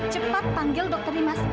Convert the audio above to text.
cepat panggil dokter rimas